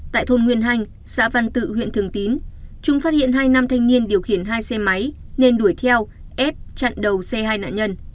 tại thôn nguyên hanh xã văn tự huyện thường tín chúng phát hiện hai nam thanh niên điều khiển hai xe máy nên đuổi theo ép chặn đầu xe hai nạn nhân